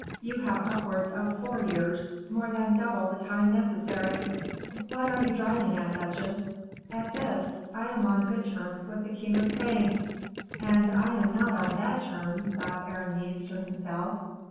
You have upwards of four years more than double the time necessary." "What are you driving at, duchesse?" "At this I am on good terms with the king of Spain." "And I am not on bad terms," thought Aramis to himself.